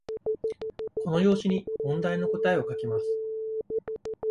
この用紙に問題の答えを書きます。